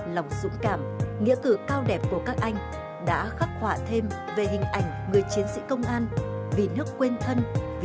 lòng dũng cảm nghĩa cử cao đẹp của các anh đã khắc họa thêm về hình ảnh người chiến sĩ công an